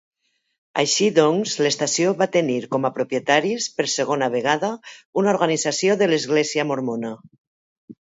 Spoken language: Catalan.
Així doncs, l'estació va tenir com a propietaris, per segona vegada, una organització de l'església mormona.